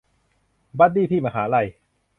บัดดี้ที่มหาลัย